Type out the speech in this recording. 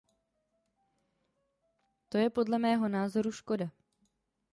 To je podle mého názoru škoda.